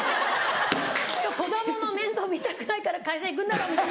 子供の面倒見たくないから会社行くんだろ！みたいな。